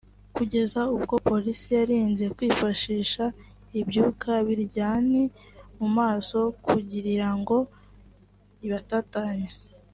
kugeza ubwo Polisi yarinze kwifashisha ibyuka biryani mu maso kugirirango ibatatanye